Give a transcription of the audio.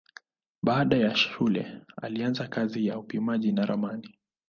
Baada ya shule alianza kazi ya upimaji na ramani.